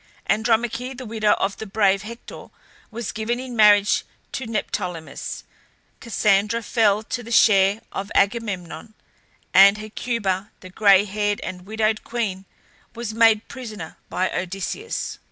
Andromache, the widow of the brave Hector, was given in marriage to Neoptolemus, Cassandra fell to the share of Agamemnon, and Hecuba, the gray haired and widowed queen, was made prisoner by Odysseus.